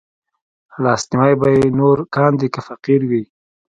لاسنيوی به يې نور کاندي که فقير وي